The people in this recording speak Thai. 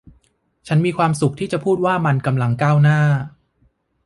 ฉันมีความสุขที่จะพูดว่ามันกำลังก้าวหน้า